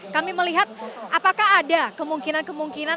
kami melihat apakah ada kemungkinan kemungkinan